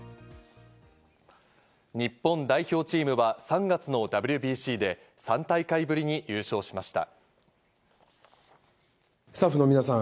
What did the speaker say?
日本代表チームは３月のＷＢＣで３大会ぶりに優勝しました。